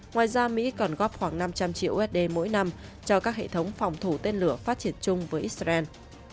ngoài ra mỹ còn góp khoảng năm trăm linh triệu usd mỗi năm cho các hệ thống phòng thủ tên lửa phát triển chung với israel